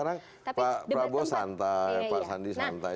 orang lihat saja sekarang pak prabowo santai pak sandi santai